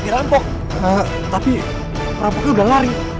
rampok tapi rampoknya udah lari